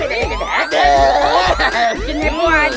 popi lagi berisik banget